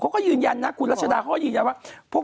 เขาก็ยืนยันนะคุณรัชดาเขาก็ยืนยันว่า